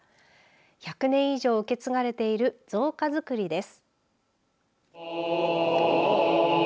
１００年以上受け継がれている造花作りです。